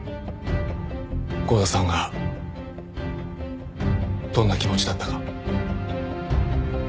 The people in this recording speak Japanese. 剛田さんがどんな気持ちだったか。